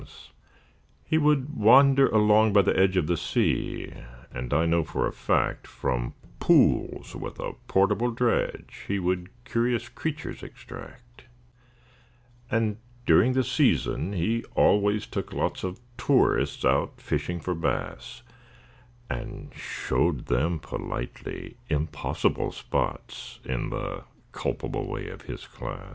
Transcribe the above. He would wander along by the edge Of the sea, and I know for a fact From the pools with a portable dredge He would curious creatures extract: And, during the season, he always took lots Of tourists out fishing for bass, And showed them politely impossible spots, In the culpable way of his class.